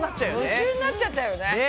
夢中になっちゃったよね。